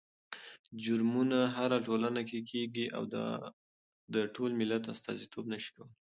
جرمونه هره ټولنه کې کېږي او دا د ټول ملت استازيتوب نه شي کولی.